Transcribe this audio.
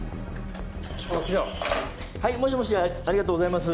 はいもしもしありがとうございます。